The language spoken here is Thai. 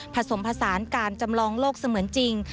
ผสมผสานการจำลองโลกเสมือนจริง